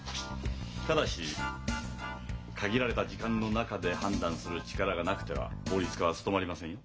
ただし限られた時間の中で判断する力がなくては法律家は務まりませんよ。